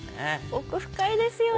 奥深いですよね。